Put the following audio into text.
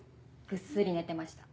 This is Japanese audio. ぐっすり寝てました。